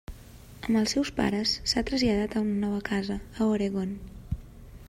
Amb els seus pares, s'ha traslladat a una nova casa, a Oregon.